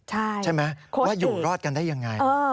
ใช่ไหมว่าอยู่รอดกันได้ยังไง